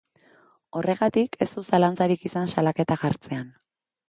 Horregatik, ez du zalantzarik izan salaketa jartzean.